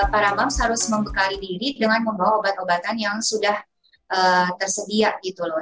para boms harus membekali diri dengan membawa obat obatan yang sudah tersedia gitu loh